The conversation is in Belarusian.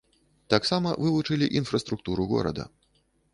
Таксама вывучылі інфраструктуру горада.